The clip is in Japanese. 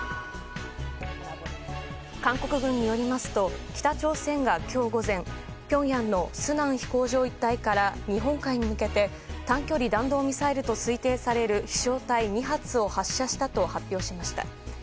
韓国軍によりますと北朝鮮が今日午前ピョンヤンのスナン飛行場一帯から日本海に向けて短距離弾道ミサイルと推定される飛翔体２発を発射したと発表しました。